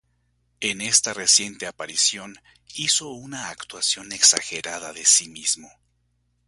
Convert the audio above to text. En esta reciente aparición hizo una actuación exagerada de sí mismo.